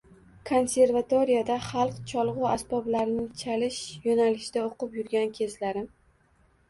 Konservatoriyada xalq cholg’u asboblarini chalish yo’nalishida o’qib yurgan kezlarim